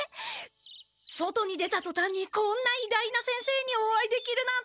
外に出たとたんにこんないだいな先生にお会いできるなんて！